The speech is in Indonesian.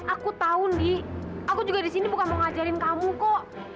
aku tahu nih aku juga di sini bukan mau ngajarin kamu kok